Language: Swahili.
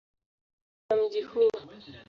Machafuko ya mji huu.